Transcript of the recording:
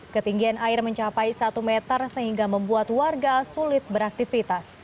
ketinggian air mencapai satu meter sehingga membuat warga sulit beraktivitas